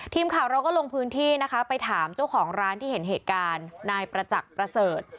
ทีมข่าวเราก็ลงพื้นที่นะคะไปถามเจ้าของร้านที่เห็นเหตุการณ์นายประจักษ์ประเสริฐ